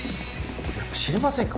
これやっぱ知りませんか？